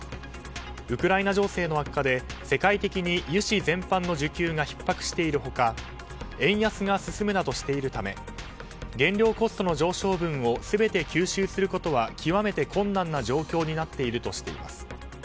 ウクライナ情勢の悪化で世界的に油脂全般の需給がひっ迫している他円安が進むなどしているため原料コストの上昇分を全て吸収することは極めて困難な状況になっているとしています。